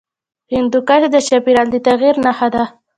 هندوکش د چاپېریال د تغیر نښه ده.